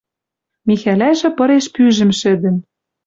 Михӓлӓжы пыреш пӱжӹм шӹдӹн.